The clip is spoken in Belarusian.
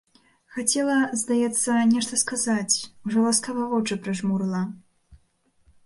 Хацела, здаецца, нешта сказаць, ужо ласкава вочы прыжмурыла.